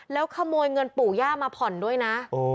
แล้วขโมยเงินปู่ย่ามาผ่อนด้วยนะ